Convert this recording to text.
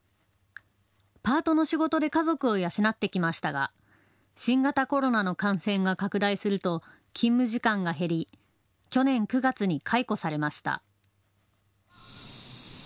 パートの仕事で家族を養ってきましたが新型コロナの感染が拡大すると勤務時間が減り去年９月に解雇されました。